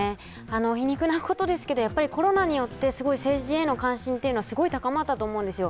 皮肉なことですけどコロナによって政治への関心はすごい高まったと思うんですよ。